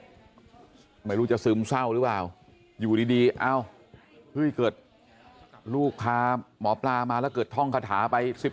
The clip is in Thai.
ไม่รู้จะซึมเศร้าหรือเปล่าอยู่ดีเอ้าเฮ้ยเกิดลูกพาหมอปลามาแล้วเกิดท่องคาถาไป๑๐